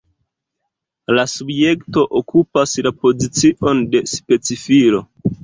La subjekto okupas la pozicion de specifilo.